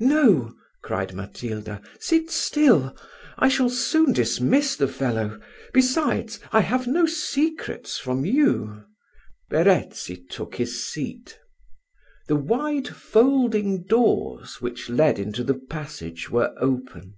"No," cried Matilda, "sit still; I shall soon dismiss the fellow; besides, I have no secrets from you." Verezzi took his seat. The wide folding doors which led into the passage were open.